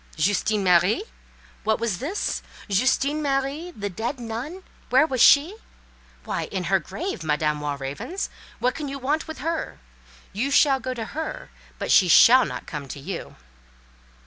"Justine Marie!" What was this? Justine Marie—the dead nun—where was she? Why, in her grave, Madame Walravens—what can you want with her? You shall go to her, but she shall not come to you.